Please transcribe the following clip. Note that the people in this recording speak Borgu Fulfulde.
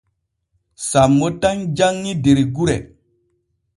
Sammo tan janŋi der gure.